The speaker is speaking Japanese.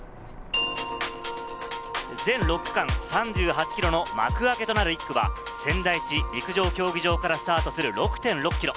全６区間３８ｋｍの幕開けとなる１区は仙台市陸上競技場からスタートする６．６ｋｍ。